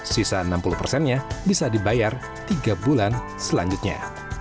sisa enam puluh persennya bisa dibayar tiga bulan selanjutnya